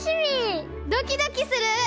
ドキドキする！